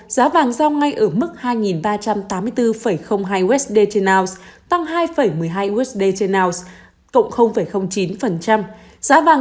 giá vàng giao ngay ở mức hai ba trăm tám mươi bốn hai usd trên ounce tăng hai một mươi hai usd trên ounce cộng chín giá vàng